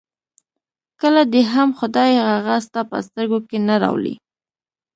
کله دې هم خدای هغه ستا په سترګو کې نه راولي.